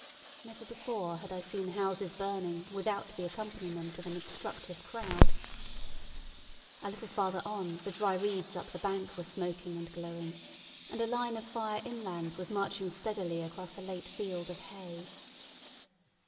Never before had I seen houses burning without the accompaniment of an obstructive crowd. A little farther on the dry reeds up the bank were smoking and glowing, and a line of fire inland was marching steadily across a late field of hay.